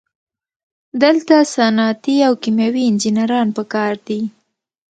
دلته صنعتي او کیمیاوي انجینران پکار دي.